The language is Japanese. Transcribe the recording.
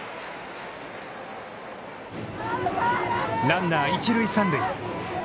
ランナー、一塁・三塁。